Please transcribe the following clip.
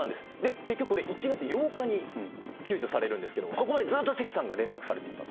結局これ、１月８日に救助されるんですけれども、そこまでずっと関さんが連絡されていた。